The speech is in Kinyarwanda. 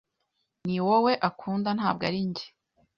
Niwowe akunda, ntabwo ari njye.